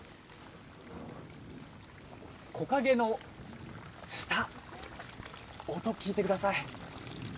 木陰の下、音聞いてください。